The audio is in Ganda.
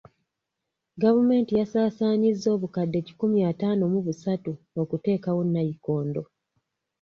Gavumenti yasaasanyizza obukadde kikumi ataano mu busatu okuteekawo nnayikondo.